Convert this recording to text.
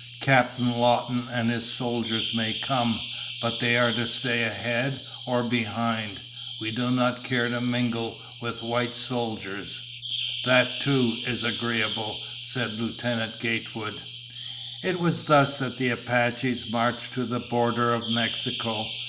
"Captain Lawton and his soldiers may come, but they are to stay ahead or behind. We do not care to mingle with white soldiers." "That, too, is agreeable," said Lieutenant Gatewood. It was thus that the Apaches marched to the border of Mexico.